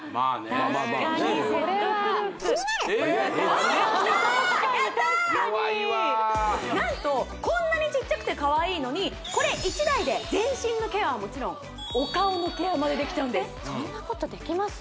もうこれは確かに確かに弱いわなんとこんなにちっちゃくてかわいいのにこれ１台で全身のケアはもちろんお顔のケアまでできちゃうんですそんなことできます？